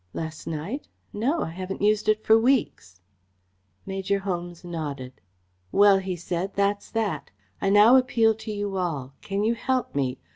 "Last night? No. I haven't used it for weeks." Major Holmes nodded. "Well," he said, "that's that! I now appeal to you all. Can you help me?